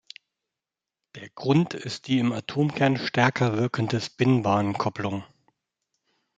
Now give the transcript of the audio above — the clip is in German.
Der Grund ist die im Atomkern stärker wirkende Spin-Bahn-Kopplung.